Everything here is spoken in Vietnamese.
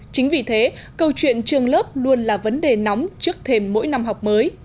chính vì thế câu chuyện trường lớp luôn là vấn đề nóng trước thêm mỗi năm học mới